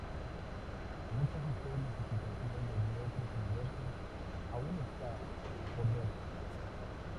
Muchas historias y situaciones de otros universos aún está por verse.